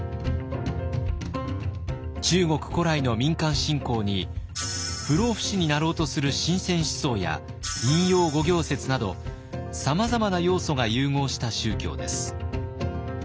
中国古来の民間信仰に不老不死になろうとする神仙思想や陰陽五行説などさまざまな要素が融合した宗教です。